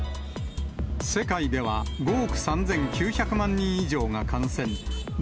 世界では５億３９００万人以上が感染。